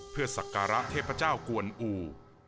เพื่อสักการะเทพเจ้ากวนอู่